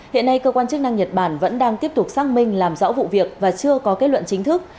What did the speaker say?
hiện nay cơ quan chức năng nhật bản vẫn đang tiếp tục xác minh làm rõ vụ việc và chưa có kết luận chính thức